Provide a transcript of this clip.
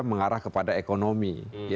mengarah kepada ekonomi